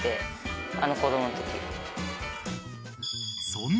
［そんな］